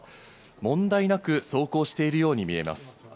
問題なく走行しているように見えます。